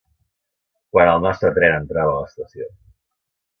Quan el nostre tren entrava a l'estació